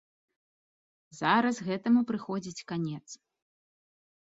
Зараз гэтаму прыходзіць канец.